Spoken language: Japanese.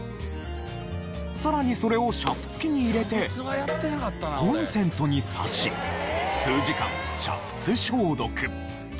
さらにそれを煮沸器に入れてコンセントに差し数時間煮沸消毒。